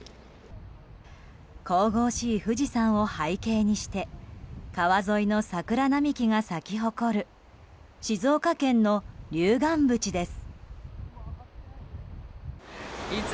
神々しい富士山を背景にして川沿いの桜並木が咲き誇る静岡県の龍巌淵です。